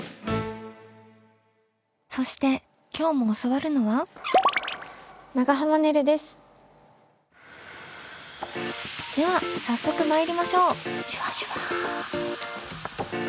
そして今日も教わるのはでは早速参りましょう！